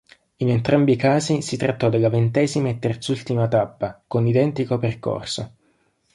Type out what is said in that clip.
In entrambi i casi si trattò della ventesima e terzultima tappa, con identico percorso.